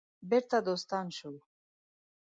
بیرته دوستان شو.